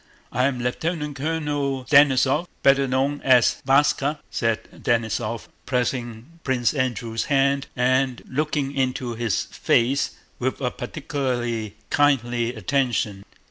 I'm Lieutenant Colonel Denísov, better known as 'Váska,'" said Denísov, pressing Prince Andrew's hand and looking into his face with a particularly kindly attention.